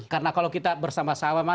karena kalau kita bersama sama